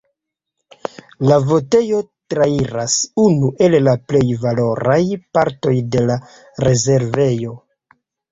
La vojeto trairas unu el la plej valoraj partoj de la rezervejo.